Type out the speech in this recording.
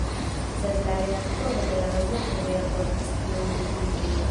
Sed la redaktoro de la gazeto ne raportis tiun rezulton.